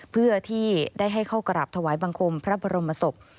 เพื่อที่ได้ให้เข้ากราบถวายบังคมพระบรมศพ